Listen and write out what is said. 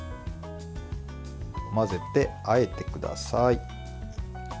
混ぜて、あえてください。